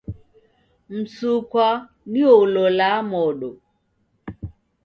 Msukwa nio ulolaa modo.